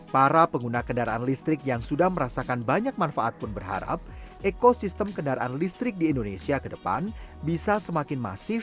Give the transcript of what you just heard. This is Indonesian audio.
para pengguna kendaraan listrik yang sudah merasakan banyak manfaat pun berharap ekosistem kendaraan listrik di indonesia ke depan bisa semakin masif